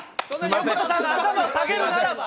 横田さんが頭を下げるならば。